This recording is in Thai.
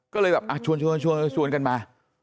ก็เลยชวนกันมา